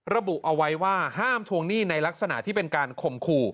ระบุเอาไว้ว่าห้ามทวงหนี้ในลักษณะที่เป็นการข่มขู่